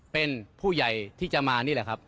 เป็นผู้ใหญ่ที่จะมานี่แหละครับ